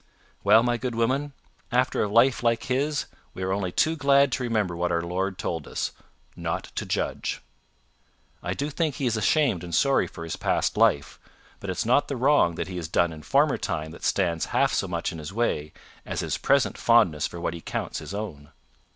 "Well, my good woman, after a life like his, we are only too glad to remember what our Lord told us not to judge. I do think he is ashamed and sorry for his past life. But it's not the wrong he has done in former time that stands half so much in his way as his present fondness for what he counts his own.